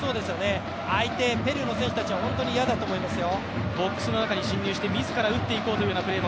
相手、ペルーの選手は本当に嫌だと思いますよ。